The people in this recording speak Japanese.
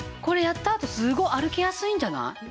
これやったあとすごい歩きやすいんじゃない？